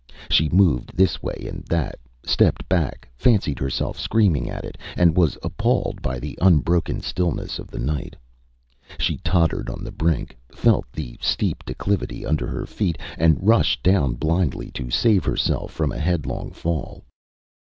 She moved this way and that, stepped back, fancied herself screaming at it, and was appalled by the unbroken stillness of the night. She tottered on the brink, felt the steep declivity under her feet, and rushed down blindly to save herself from a headlong fall.